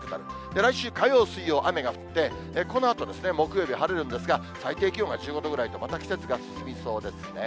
来週火曜、水曜、雨が降って、このあと木曜日晴れるんですが、最低気温が１５度くらいと、また季節が進みそうですね。